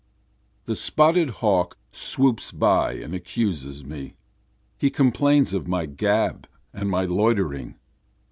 52 The spotted hawk swoops by and accuses me, he complains of my gab and my loitering.